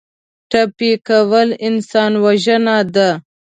ټپي کول انسان وژنه ده.